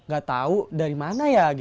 gak tahu dari mana ya